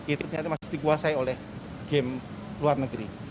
itu ternyata masih dikuasai oleh game luar negeri